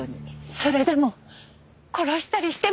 それでも殺したりしてません。